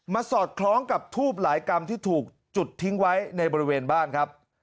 สอดคล้องกับทูบหลายกรรมที่ถูกจุดทิ้งไว้ในบริเวณบ้านครับ